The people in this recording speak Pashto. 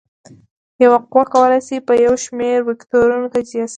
یوه قوه کولی شي په یو شمېر وکتورونو تجزیه شي.